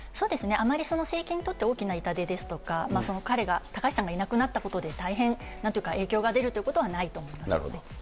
あまり政権にとって大きな痛手ですとか、彼が、高橋さんがいなくなったことで大変、なんというか、影響が出るということはないと思なるほど。